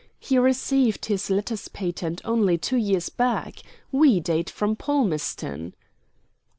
He received his Letters Patent only two years back. We date from Palmerston."